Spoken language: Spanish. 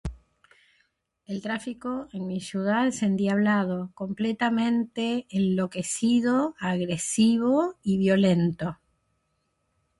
El tráfico en mi ciudad es endiablado, completamente enloquecido, agresivo y violento.